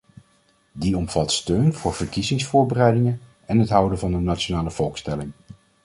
Die omvat steun voor verkiezingsvoorbereidingen en het houden van een nationale volkstelling.